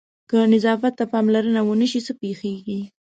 که نظافت ته پاملرنه ونه شي څه پېښېږي؟